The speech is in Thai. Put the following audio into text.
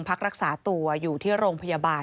พบหน้าลูกแบบเป็นร่างไร้วิญญาณ